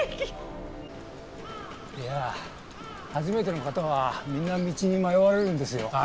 いやあ初めての方はみんな道に迷われるんですよ。